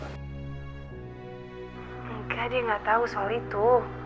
enggak dia gak tau soal itu